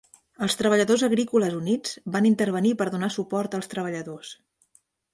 Els treballadors agrícoles units van intervenir per donar suport als treballadors.